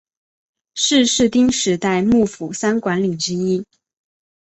是室町时代幕府三管领之一。